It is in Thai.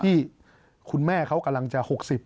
ที่คุณแม่เขากำลังจะ๖๐